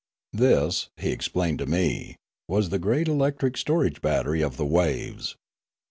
This, he explained to me, was the great electric storage battery of the waves.